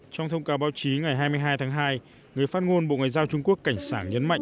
trong thông cáo báo chí ngày hai mươi hai tháng hai người phát ngôn bộ ngoại giao trung quốc cảnh sảng nhấn mạnh